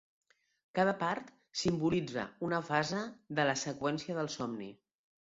Cada part simbolitza una fase de la seqüència del somni.